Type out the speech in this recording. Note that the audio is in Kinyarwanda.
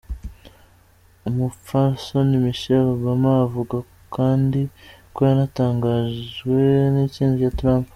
Umupfasoni Michelle Obama avuga kandi ko yanatangajwe n'intsinzi ya Trump.